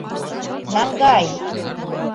Наҥгай!